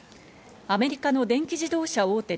アメリカの電気自動車大手